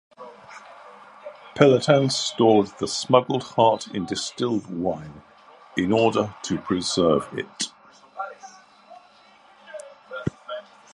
Pelletan stored the smuggled heart in distilled wine in order to preserve it.